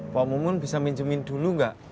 pak mumun bisa minjemin dulu nggak